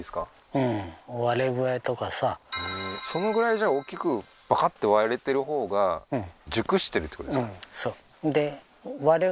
うんそのぐらいじゃあ大きくパカッて割れてるほうが熟してるってことですか？